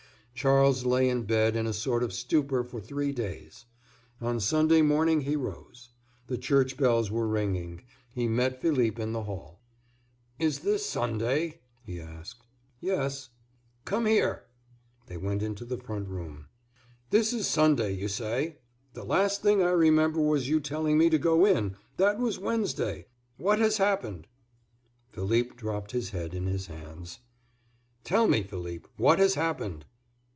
Charles lay in bed in a sort of stupor for three days. On Sunday morning he rose. The church bells were ringing. He met Philippe in the hall. "Is this Sunday?" he asked. "Yes." "Come here!" They went into the front room. "This is Sunday, you say. The last thing I remember was you telling me to go in—that was Wednesday. What has happened?" Philippe dropped his head in his hands. "Tell me, Philippe, what has happened?"